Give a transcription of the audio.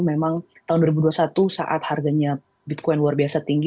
memang tahun dua ribu dua puluh satu saat harganya bitcoin luar biasa tinggi